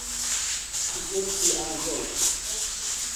گۆشتی ئاژەڵ.